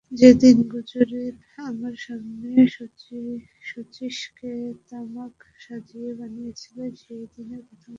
যেদিন গুরুজি আমার সামনে শচীশকে তামাক সাজিতে বলিয়াছিলেন সেই দিনের কথাটা মনে পড়িল।